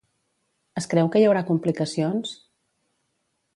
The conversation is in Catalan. Es creu que hi haurà complicacions?